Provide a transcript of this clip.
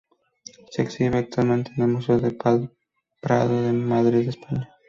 Se exhibe actualmente en el Museo del Prado de Madrid, España.